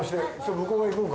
向こう側行こうか。